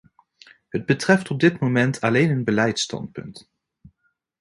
Het betreft op dit moment alleen een beleidstandpunt.